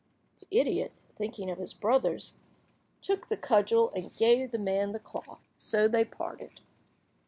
The idiot, thinking of his brothers, took the cudgel and gave the man the cloth. So they parted.